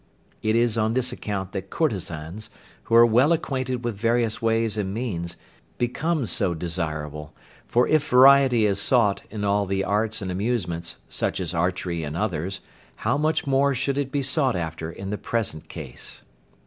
It is on this account that courtezans, who are well acquainted with various ways and means, become so desirable, for if variety is sought in all the arts and amusements, such as archery and others, how much more should it be sought after in the present case.